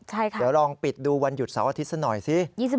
เดี๋ยวลองปิดดูวันหยุดเสาร์อาทิตย์ซะหน่อยสิ